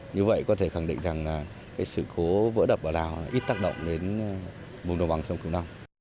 như vậy có thể khẳng định rằng sự cố vỡ đập ở lào ít tác động đến mục đồng bằng sông kiều long